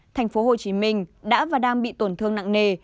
thành phố hồ chí minh đã và đang bị tổn thương nặng nề